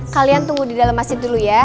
kalian tunggu di dalam masjid dulu ya